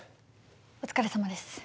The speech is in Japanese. お疲れさまです。